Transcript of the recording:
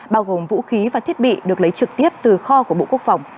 bao gồm vũ khí và thiết bị được lấy trực tiếp từ kho của bộ quốc phòng